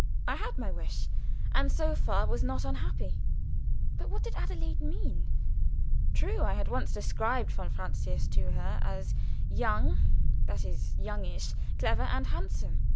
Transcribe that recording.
I had my wish and so far was not unhappy. But what did Adelaide mean? True, I had once described von Francius to her as young, that is youngish, clever and handsome.